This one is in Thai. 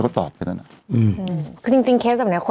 คือคือคือคือคือคือคือ